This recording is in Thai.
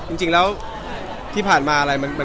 อกรไม่หรือครับก็อย่างที่ได้บอกไป